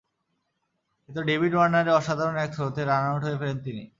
কিন্তু ডেভিড ওয়ার্নারের অসাধারণ এক থ্রোতে রানআউট হয়ে ফেরেন তিনি।